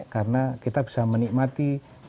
karena kita bisa menikmati